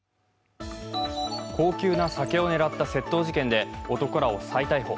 高級な酒を狙った窃盗事件で男らを再逮捕。